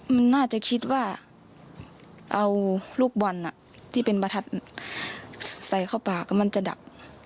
มันน่าจะคิดว่าเอาลูกบอลที่เป็นประทัดใส่เข้าปากแล้วมันจะดับ